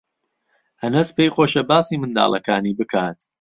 ئەنەس پێی خۆشە باسی منداڵەکانی بکات.